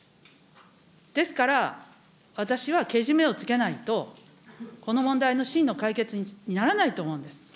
ですから、私はけじめをつけないと、この問題の真の解決にならないと思うんです。